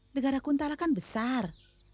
negara kuntala kan besar